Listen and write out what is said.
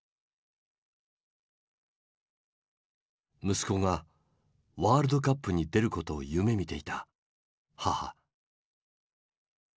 息子がワールドカップに出ることを夢みていた母。